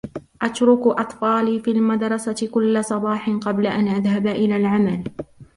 أترك أطفالي في المدرسة كل صباح قبل أن أذهب إلى العمل